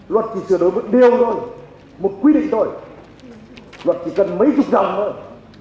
luật chỉ sửa đổi một điều thôi một quy định thôi luật chỉ cần mấy chục đồng thôi